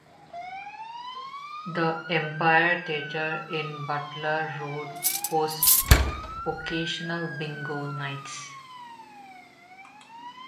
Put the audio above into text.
The Empire Theatre in Butler Road hosts occasional bingo nights.